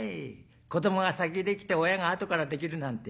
子どもが先できて親があとからできるなんて。